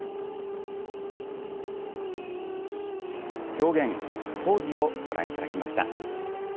狂言「柑子」をご覧いただきました。